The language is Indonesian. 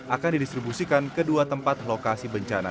akan didistribusikan ke dua tempat lokasi bencana